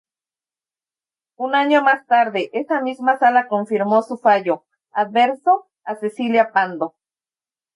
Un año más tarde esa misma sala confirmó su fallo, adverso a Cecilia Pando.